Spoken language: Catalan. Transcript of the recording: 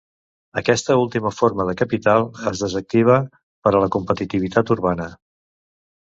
Aquesta última forma de capital és decisiva per a la competitivitat urbana.